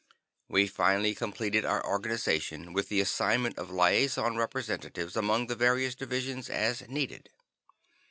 We finally completed our organization with the assignment of liaison representatives among the various divisions as needed.